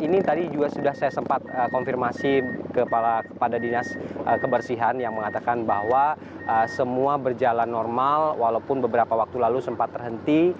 ini tadi juga sudah saya sempat konfirmasi kepada dinas kebersihan yang mengatakan bahwa semua berjalan normal walaupun beberapa waktu lalu sempat terhenti